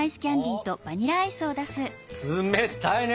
冷たいね！